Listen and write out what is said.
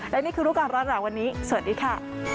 และนี่คือลูกการณ์ร้านหลังวันนี้สวัสดีค่ะ